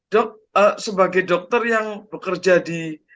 dok sebagai dokter yang bekerja di